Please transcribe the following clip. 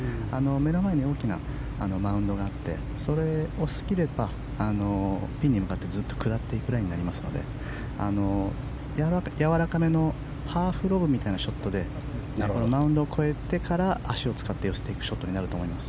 目の前に大きなマウンドがあってそれを過ぎればピンに向かってずっと下っていくラインになりますのでやわらかめのハーフロブみたいなショットでマウンドを越えてから足を使って寄せていくショットになると思います。